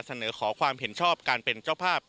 เสนอขอความเห็นชอบการเป็นเจ้าภาพ